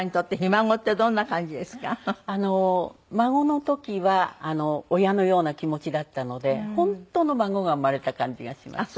孫の時は親のような気持ちだったので本当の孫が生まれた感じがします。